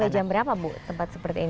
dibuka sampai jam berapa bu